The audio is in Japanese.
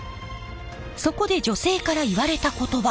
そこで女性から言われた言葉。